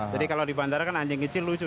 jadi kalau di bandara kan anjing kecil lucu